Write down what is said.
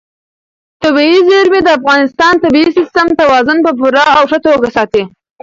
طبیعي زیرمې د افغانستان د طبعي سیسټم توازن په پوره او ښه توګه ساتي.